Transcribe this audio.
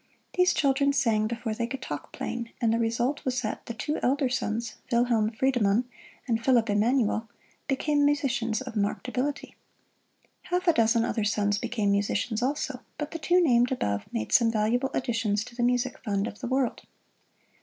These children sang before they could talk plain, and the result was that the two elder sons, Wilhelm Friedemann and Phillip Emmanuel, became musicians of marked ability. Half a dozen other sons became musicians also, but the two named above made some valuable additions to the music fund of the world.